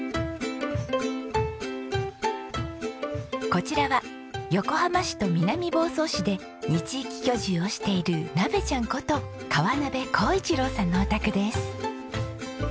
こちらは横浜市と南房総市で二地域居住をしているナベちゃんこと川鍋宏一郎さんのお宅です。